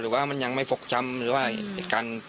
หรือว่ามันยังไม่ฟกช่ำหรือว่า